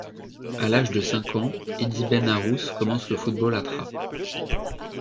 À l'âge de cinq ans, Eddy Ben Arous commence le football à Trappes.